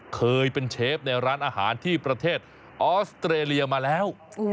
เคยเป็นเชฟในร้านอาหารที่ประเทศออสเตรเลียมาแล้ว